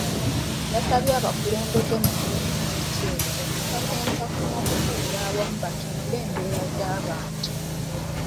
Yasabye abakulembeze mu disitulikiti eno okusaka ssaako n’okukolera awamu batumbule embeera z’abantu .